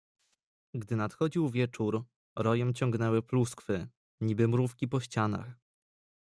"Gdy nadchodził wieczór, rojem ciągnęły pluskwy, niby mrówki po ścianach."